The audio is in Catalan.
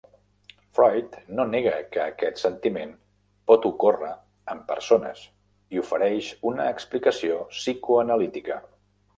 Freud no nega que aquest sentiment pot ocórrer en persones i ofereix una explicació psicoanalítica.